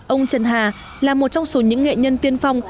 ông trần hà là một trong số những nghệ nhân tiên phong